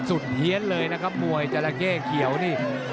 เฮียนเลยนะครับมวยจราเข้เขียวนี่